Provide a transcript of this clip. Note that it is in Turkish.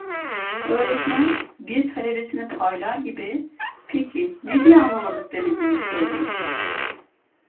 Öğretmen, bir talebesini paylar gibi: "Peki, ne diye anlamadık demediniz öyleyse?"